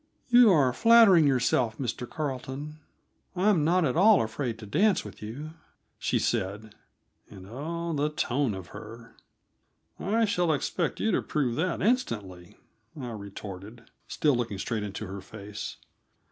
"You are flattering yourself, Mr. Carleton; I am not at all afraid to dance with you," she said and, oh, the tone of her! "I shall expect you to prove that instantly," I retorted, still looking straight into her face.